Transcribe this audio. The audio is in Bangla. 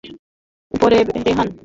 উপরে, রেহান।